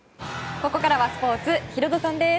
ここからはスポーツヒロドさんです。